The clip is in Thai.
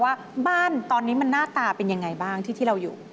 ว่าบ้านตอนนี้มันหน้าตาเป็นยังไงบ้างที่ที่เราอยู่